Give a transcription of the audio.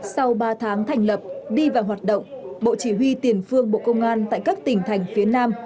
sau ba tháng thành lập đi vào hoạt động bộ chỉ huy tiền phương bộ công an tại các tỉnh thành phía nam